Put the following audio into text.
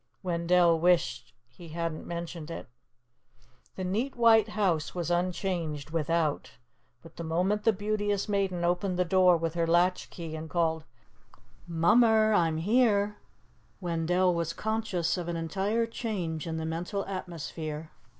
Wendell wished he hadn't mentioned it. The neat white house was unchanged without, but the moment the Beauteous Maiden opened the door with her latch key and called, "Mummer, I'm here," Wendell was conscious of an entire change in the mental atmosphere.